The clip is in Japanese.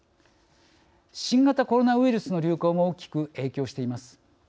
新型コロナウイルスの流行も大きく影響しています。